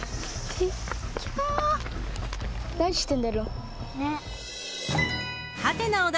何してんだろう？